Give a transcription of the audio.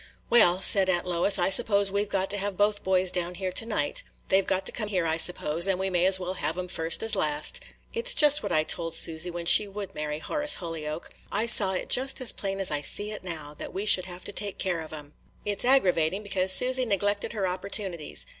"Well," said Aunt Lois, "I suppose we 've got to have both boys down here to night. They 've got to come here, I suppose, and we may as well have 'em first as last. It 's just what I told Susy, when she would marry Horace Holyoke. I saw it just as plain as I see it now, that we should have to take care of 'em. It 's aggravating, because Susy neglected her opportunities.